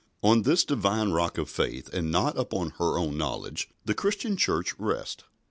On this Divine rock of faith, and not upon her own knowledge, the Christian Church rests.